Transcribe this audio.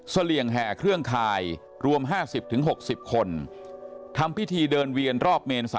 เหลี่ยงแห่เครื่องคายรวม๕๐๖๐คนทำพิธีเดินเวียนรอบเมน๓